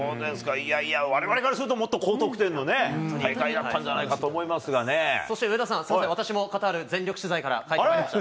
いやいや、われわれからするともっと高得点のね、大会だったんじゃないかとそして上田さん、私もカタール全力取材から帰ってまいりました。